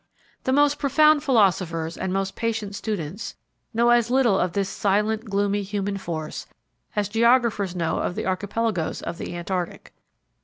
The most profound philosophers and most patient students know as little of this silent, gloomy human force as geographers know of the archipelagoes of the Antarctic.